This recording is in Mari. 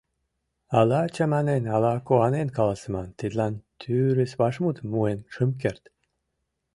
Ала чаманен, ала куанен каласыман — тидлан тӱрыс вашмутым муын шым керт.